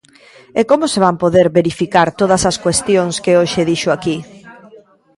¿E como se van poder verificar todas as cuestións que hoxe dixo aquí?